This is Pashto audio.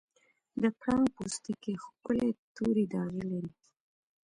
د پړانګ پوستکی ښکلي تورې داغې لري.